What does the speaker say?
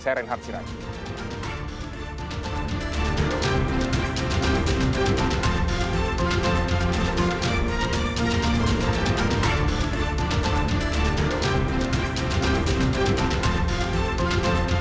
saya reinhard sirah